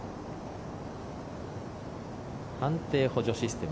判定補助システム